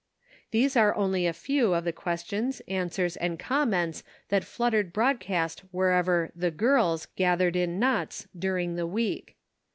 These are only a few of the questions answers and comments that fluttered broad cast wherever "the girls," gathered in knots during the week.